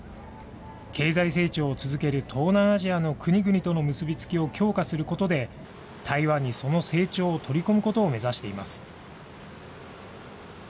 経済成長を続ける東南アジアの国々との結び付きを強化することで、台湾にその成長を取り込むことを目指しています。